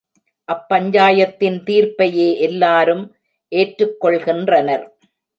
அப்பஞ்சாயத்தின் தீர்ப்பையே எல்லாரும் ஏற்றுக் கொள்கின்றனர்.